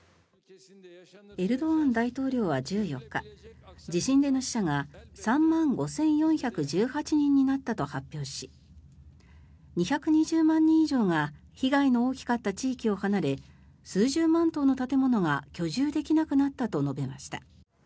エルドアン大統領は１４日地震での死者が３万５４１８になったと公表し２２０万人以上が被害の大きかった地域を離れ数十万棟の建物が居住できなくなったと述べました。